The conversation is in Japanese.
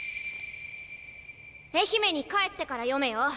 愛媛に帰ってから読めよ！